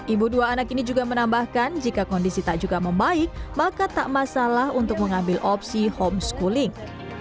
ibu dua anak ini juga menambahkan jika kondisi tak juga membaik maka tak masalah untuk mengambil opsi homeschooling